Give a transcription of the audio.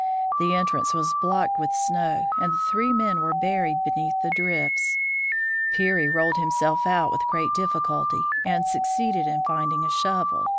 The entrance was blocked with snow, and the three men were buried beneath the drifts. Peary rolled himself out with great difficulty, and suc ceeded in finding a shovel.